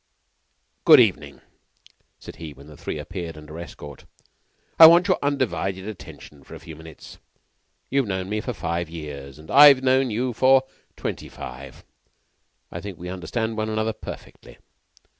"Good evening," said he when the three appeared under escort. "I want your undivided attention for a few minutes. You've known me for five years, and I've known you for twenty five. I think we understand one another perfectly.